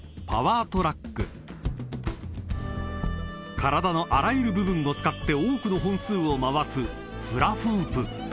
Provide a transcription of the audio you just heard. ［体のあらゆる部分を使って多くの本数を回す］